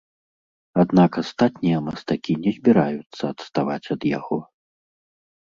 Аднак астатнія мастакі не збіраюцца адставаць ад яго.